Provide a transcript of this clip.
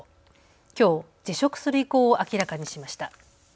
きょう辞職する意向を明らかにしました。